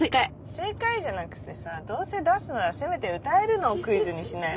「正解！」じゃなくてさどうせ出すならせめて歌えるのをクイズにしなよ。